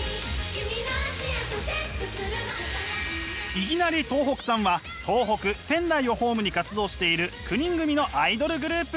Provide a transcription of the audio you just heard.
いぎなり東北産は東北仙台をホームに活動している９人組のアイドルグループ。